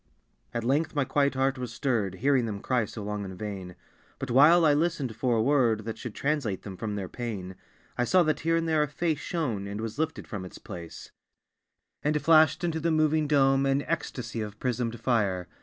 At length my quiet heart was stirred, Hearing them cry so long in vain. But while I listened for a word That should translate them from their pain, I saw that here and there a face Shone, and was lifted from its place, And flashed into the moving dome An ecstasy of prismed fire.